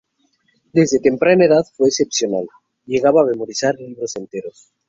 Desde temprana edad fue excepcional, llegaba a memorizar libros enteros.